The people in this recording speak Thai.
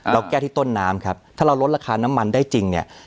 เราแก้ที่ต้นน้ำครับถ้าเราลดราคาน้ำมันได้จริงเนี่ย